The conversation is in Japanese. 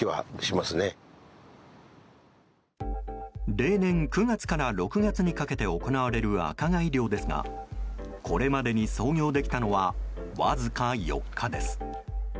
例年９月から６月にかけて行われるアカガイ漁ですがこれまでに操業できたのはわずか４日です。